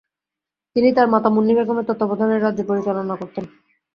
তিনি তার মাতা মুন্নী বেগমের তত্ত্বাবধানে রাজ্য পরিচালনা করতেন।